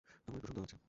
আমার একটা সন্দেহ আছে।